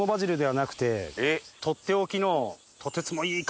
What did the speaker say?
とっておきの。